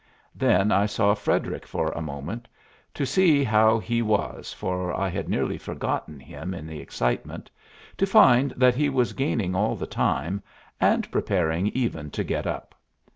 Then I saw Frederic for a moment, to see how he was (for I had nearly forgotten him in the excitement), to find that he was gaining all the time, and preparing even to get up.